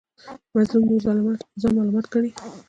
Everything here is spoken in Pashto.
مظلوم نور ځان ملامت ګڼي.